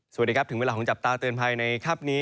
สวัสดีครับถึงเวลาของจับตาเตือนภัยในค่ำนี้